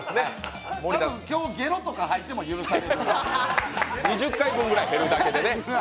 多分、今日ゲロとか吐いても許される２０回分ぐらい減るだけでね。